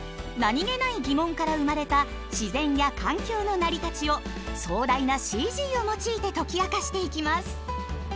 何気ない疑問から生まれた自然や環境の成り立ちを壮大なＣＧを用いて解き明かしていきます。